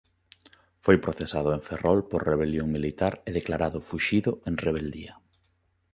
Foi procesado en Ferrol por rebelión militar e declarado fuxido en rebeldía.